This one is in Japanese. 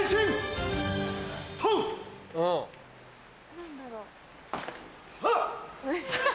何だろう？